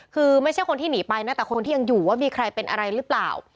คือไม่ใช่คนที่หนีไปนะแต่คนที่ยังอยู่ว่ามีใครเป็นอะไรหรือเปล่า